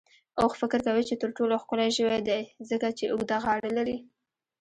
اوښ فکر کوي چې تر ټولو ښکلی ژوی دی، ځکه چې اوږده غاړه لري.